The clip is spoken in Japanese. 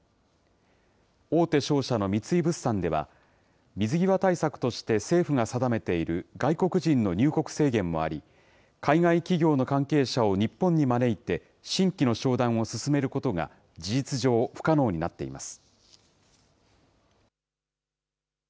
大手商社の三井物産では、水際対策として政府が定めている外国人の入国制限もあり、海外企業の関係者を日本に招いて、新規の商談を進めることが事実上、不可能になっています。